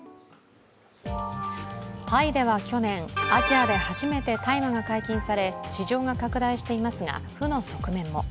タイでは去年、アジアで初めて大麻が解禁され、市場が拡大していますが、負の側面も。